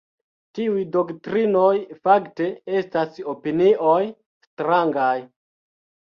Tiuj doktrinoj, fakte, estas opinioj strangaj”.